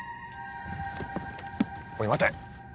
おい待て！